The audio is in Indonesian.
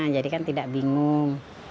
jadi kan tidak bingung